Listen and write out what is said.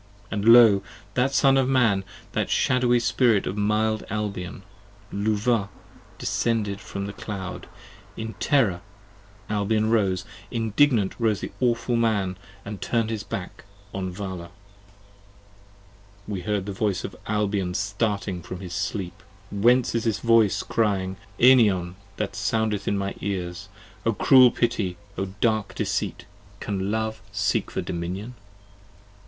55 And lo! that son of Man, that Shadowy Spirit of mild Albion, Luvah descended from the cloud: in terror Albion rose: Indignant rose the awful Man, & turn'd his back on Vala. We heard the voice of Albion starting from his sleep: Whence is this voice crying, Enion! that soundeth in my ears? 60 O cruel pity! O dark deceit! can love seek for dominion?